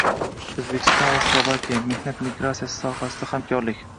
O‘zbekiston va Slovakiya: mehnat migratsiyasi sohasida hamkorlikng